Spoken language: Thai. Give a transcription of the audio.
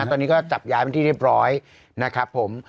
ตอนนี้ก็จับย้ายเป็นที่เรียบร้อยนะครับผม